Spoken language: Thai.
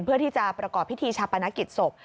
เพื่อที่จะประกอบพิธีชาปนกิจศพ